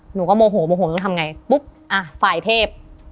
หนูก็โมโหโมโหต้องทำไงปุ๊บอ่ะฝ่ายเทพ